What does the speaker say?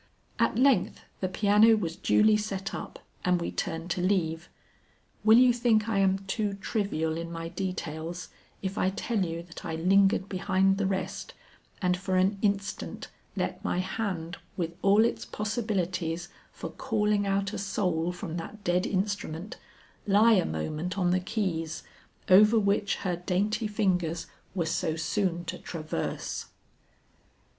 At length the piano was duly set up and we turned to leave. Will you think I am too trivial in my details if I tell you that I lingered behind the rest and for an instant let my hand with all its possibilities for calling out a soul from that dead instrument, lie a moment on the keys over which her dainty fingers were so soon to traverse?